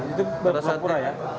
itu berpura pura ya